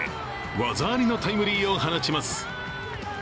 技ありのタイムリーを放ちます。